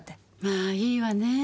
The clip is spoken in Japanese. まあいいわねぇ。